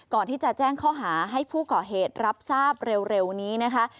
ก่อนที่จะแจ้งข้อหาให้ผู้ก่อเหตุรับทราบเร็วนี้นะคะ